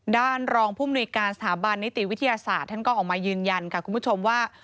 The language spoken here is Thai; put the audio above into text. รองผู้มนุยการสถาบันนิติวิทยาศาสตร์ท่านก็ออกมายืนยันค่ะคุณผู้ชมว่า